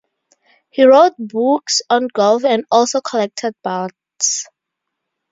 He wrote books on golf and also collected ballads.